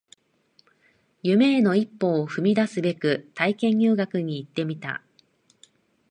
夢への一歩を踏み出すべく体験入学に行ってみた